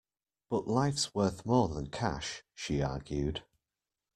But life's worth more than cash, she argued.